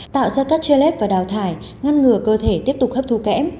tạo ra các chê lết và đào thải ngăn ngừa cơ thể tiếp tục hấp thu kém